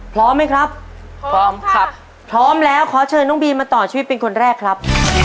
พร้อมไหมครับพร้อมครับพร้อมแล้วขอเชิญน้องบีมมาต่อชีวิตเป็นคนแรกครับ